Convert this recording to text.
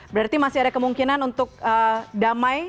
berarti masih ada kemungkinan untuk damai